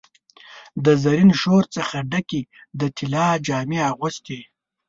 د زرین شور څخه ډکي، د طلا جامې اغوستي